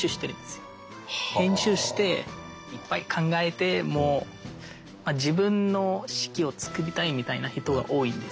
編集していっぱい考えて自分の式を作りたいみたいな人が多いんですよ。